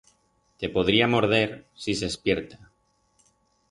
Te podría morder si s'espierta.